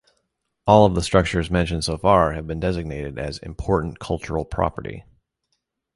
All of the structures mentioned so far have been designated as Important Cultural Property.